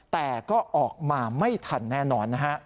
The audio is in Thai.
แต่ก็ออกมาไม่ทันแน่นอนนะฮะ